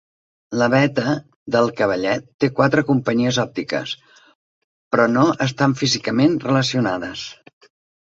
La Beta del Cavallet té quatre companyes òptiques, però no estan físicament relacionades.